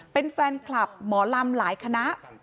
เป็นแฟนคลับหมอลำหลายคณะ